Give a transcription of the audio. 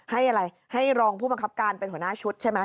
ให้อะไรให้รองผู้บังคับการเป็นหัวหน้าชุดใช่ไหม